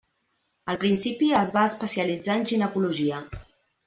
Al principi es va especialitzar en ginecologia.